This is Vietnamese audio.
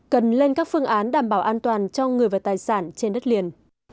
cần lên các phương án đảm bảo an toàn cho người và tài sản trên đất liền